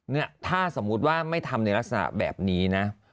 เนี่ยถ้าสมมุติว่าไม่ทำในลักษณะแบบนี้นะ